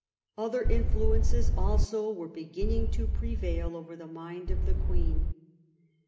Other influences also were beginning to prevail over the mind of the Queen.